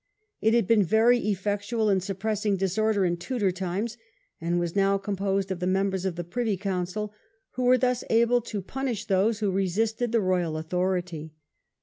It had been very effectual in suppressing dis order in Tudor times, and was now composed of the members of the Privy Council, who were thus able to punish those who resisted the royal authority.